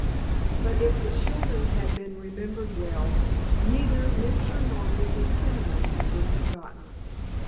But if the children had been remembered well neither Mr. nor Mrs. Peniman had been forgotten.